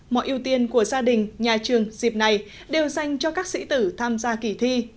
mọi ưu tiên của gia đình nhà trường dịp này đều dành cho các sĩ tử tham gia kỳ thi